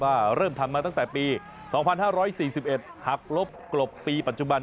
เริ่มทำมาตั้งแต่ปี๒๕๔๑หักลบกลบปีปัจจุบัน